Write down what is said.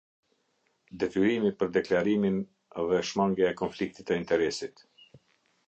Detyrimi për deklarimin dhe shmangia e konfliktit të interesit.